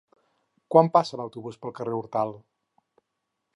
Quan passa l'autobús pel carrer Hortal?